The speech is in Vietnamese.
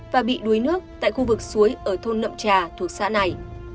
và bị đuối nước tại khu vực suối ở thôn nậm trà thuộc xã này